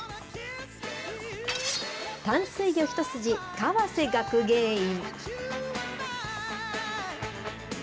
淡水魚一筋、川瀬学芸員。